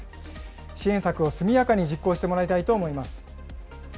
支援策を速やかに実行してもらいたいと思います。